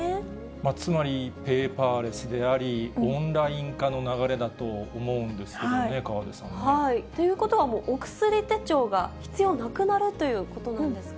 つまりペーパーレスであり、オンライン化の流れだと思うんですけどね、河出さんね。ということはもう、お薬手帳が必要なくなるということなんですか？